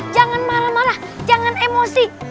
jangan marah marah jangan emosi